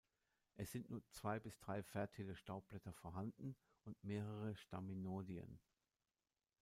Es sind nur zwei bis drei fertile Staubblätter vorhanden und mehrere Staminodien.